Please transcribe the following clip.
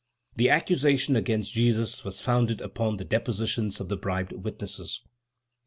The accusation against Jesus was founded upon the depositions of the bribed witnesses.